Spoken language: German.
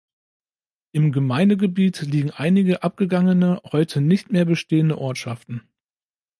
Im Gemeindegebiet liegen einige abgegangene, heute nicht mehr bestehende Ortschaften.